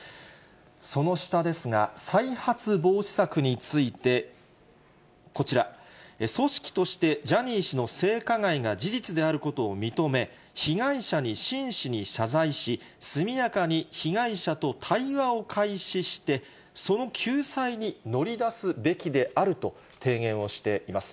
その下ですが、再発防止策について、こちら、組織としてジャニー氏の性加害が事実であることを認め、被害者に真摯に謝罪し、速やかに被害者と対話を開始して、その救済に乗り出すべきであると提言をしています。